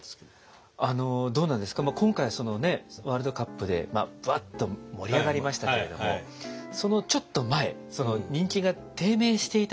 あのどうなんですか今回そのワールドカップでまあブワッと盛り上がりましたけれどもそのちょっと前人気が低迷していた頃ですね